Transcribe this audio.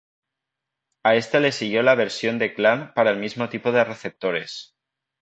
A este le siguió la versión de Clan para el mismo tipo de receptores.